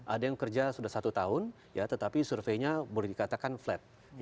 ada yang kerja sudah satu tahun ya tetapi surveinya boleh dikatakan flat